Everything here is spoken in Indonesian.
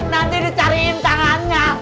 nanti dicariin tangannya